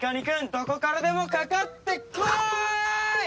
どこからでもかかってこーい！